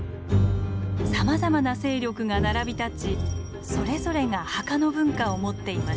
さまざまな勢力が並び立ちそれぞれが墓の文化を持っていました。